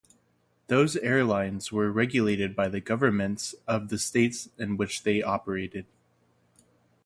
Those airlines were regulated by the governments of the states in which they operated.